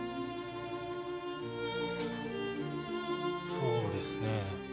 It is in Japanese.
そうですね。